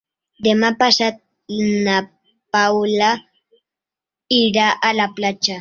Demà passat na Paula irà a la platja.